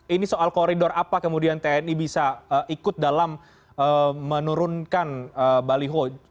ini soal koridor apa kemudian tni bisa ikut dalam menurunkan baliho